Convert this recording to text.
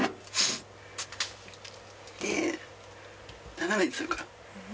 で、斜めにするから。